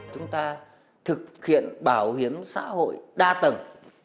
chúng ta thực hiện bảo hiểm xã hội đa tầng